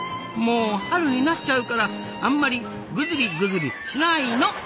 「もう春になっちゃうからあんまりグズリグズリしないの！」。